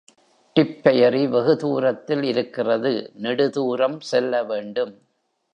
டிப்பெயரி வெகு தூரத்தில் இருக்கிறது, நெடு தூரம் செல்லவேண்டும்!